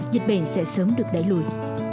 dịch bệnh sẽ sớm được đẩy lùi